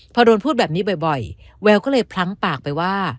พอโดนพูดแบบนี้บ่อยแววก็เลยพลั้งปากไปว่า